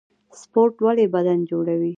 سپورټ ولې بدن جوړوي؟